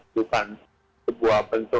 bukan sebuah pensiun